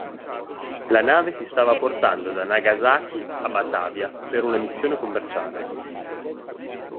La nave si stava portando da Nagasaki a Batavia per una missione commerciale.